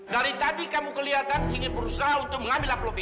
dari tadi kamu kelihatan ingin berusaha untuk mengambil apologi